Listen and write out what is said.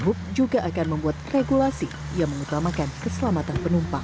kementerian perhubungan akan membuat regulasi yang mengutamakan keselamatan penumpang